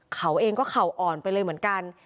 เขาเองก็เข่าอ่อนไปเลยเหมือนกัน